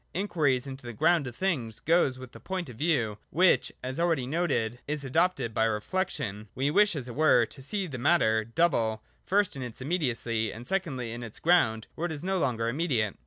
Inquiry into the grounds of things goes with the point of view which, as already noted (note to § 112), is adopted by Reflection. We wish, as it were, to see the matter double, first in its immediacy, and secondly in its ground, where it is no longer immediate.